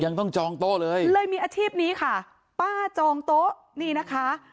ยังต้องจองโต๊ะเลยเลยมีอาชีพนี้ค่ะป้าจองโต๊ะนี่นะคะ